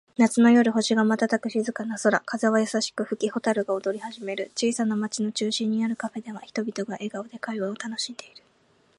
夏の夜、星が瞬く静かな空。風は優しく吹き、蛍が踊り始める。小さな町の中心にあるカフェでは、人々が笑顔で会話を楽しんでいる。